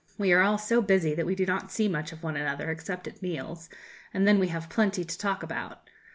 We are all so busy that we do not see much of one another except at meals, and then we have plenty to talk about.